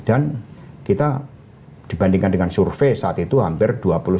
kita dibandingkan dengan survei saat itu hampir dua puluh satu